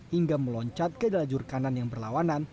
hingga meloncat ke lajur kanan yang berlawanan